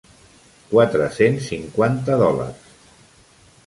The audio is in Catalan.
Quatre-cents cinquanta dòlars.